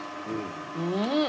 うん。